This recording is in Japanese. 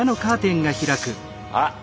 あっ